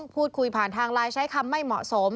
พูดคุยผ่านทางไลน์ใช้คำไม่เหมาะสม